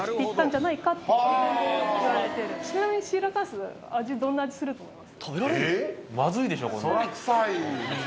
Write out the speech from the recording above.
ちなみにシーラカンス、味、どんな味すると思います？